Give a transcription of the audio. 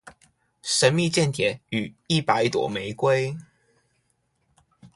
神祕間諜與一百朵玫瑰